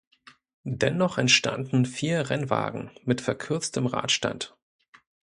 Dennoch entstanden vier Rennwagen mit verkürztem Radstand.